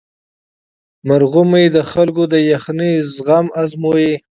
مرغومی د خلکو د یخنۍ زغم ازمويي.